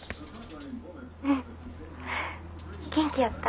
うん元気やった？